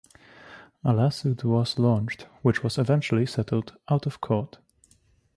A lawsuit was launched, which was eventually settled out-of-court.